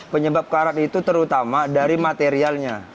penyebab karat itu terutama dari materialnya